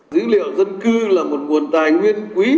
dữ liệu dân cư là một nguồn tài nguyên quý